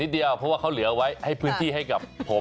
เพราะว่าเขาเหลือไว้ให้พื้นที่ให้กับผม